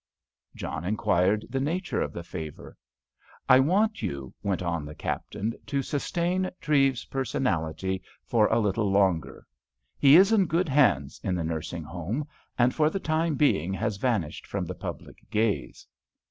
John inquired the nature of the favour. "I want you," went on the Captain, "to sustain Treves's personality for a little longer. He is in good hands in the nursing home, and for the time being has vanished from the public gaze."